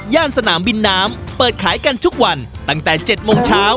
สนามบินน้ำเปิดขายกันทุกวันตั้งแต่๗โมงเช้า